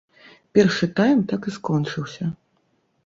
Першы тайм так і скончыўся.